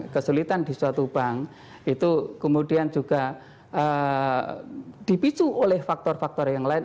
kesulitan di suatu bank itu kemudian juga dipicu oleh faktor faktor yang lain